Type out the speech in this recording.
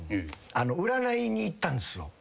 占いに行ったんすよ